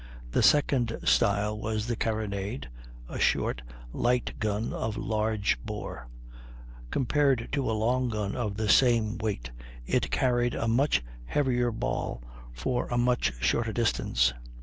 The second style was the carronade, a short, light gun of large bore; compared to a long gun of the same weight it carried a much heavier ball for a much shorter distance.